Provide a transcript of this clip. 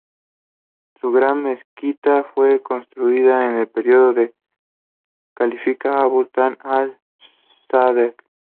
Su gran mezquita fue construida en el periodo del califa Abu Bakr Al-Sadeek.